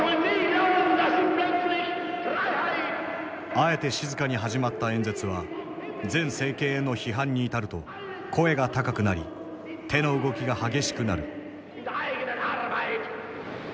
あえて静かに始まった演説は前政権への批判に至ると声が高くなり手の動きが激しくなる。